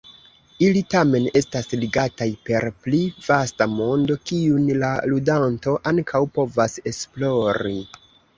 Ili tamen estas ligataj per pli vasta mondo, kiun la ludanto ankaŭ povas esplori.